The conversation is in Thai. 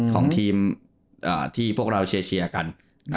ของทีมที่พวกเราเชียร์กัน